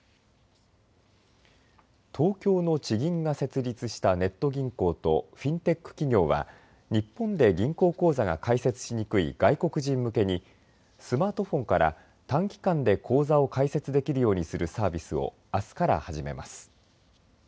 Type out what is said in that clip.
東京の地銀が設立したネット銀行とフィンテック企業は日本で銀行口座が開設しにくい外国人向けにスマートフォンから短期間で口座を開設できるようにするサービスをあすから始めます。